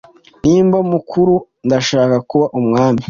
Nimba mukuru, ndashaka kuba umwami.